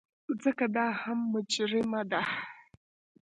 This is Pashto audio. ځکه دا هم مجرمه ده.